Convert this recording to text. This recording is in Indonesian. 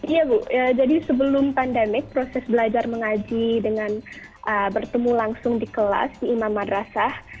iya bu jadi sebelum pandemik proses belajar mengaji dengan bertemu langsung di kelas di imam madrasah